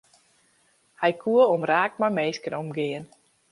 Hy koe omraak mei minsken omgean.